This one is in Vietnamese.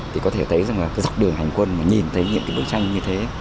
thì có thể thấy rằng là cái dọc đường hành quân mà nhìn thấy những cái bức tranh như thế